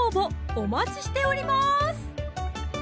お待ちしております